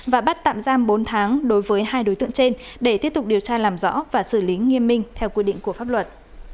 và bắt tạm giam bốn tháng đối với hai đối tượng trên để tiếp tục điều tra làm rõ và xử lý nghiêm minh theo quy định của pháp luật